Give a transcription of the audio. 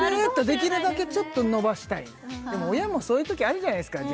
できるだけちょっとのばしたいでも親もそういうときあるじゃないですか